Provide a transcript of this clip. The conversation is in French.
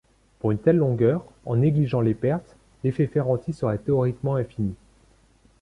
Pour une telle longueur, en négligeant les pertes, l'effet Ferranti serait théoriquement infini.